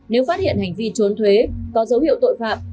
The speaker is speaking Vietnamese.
nếu phát hiện hành vi trốn thuế có dấu hiệu tội phạm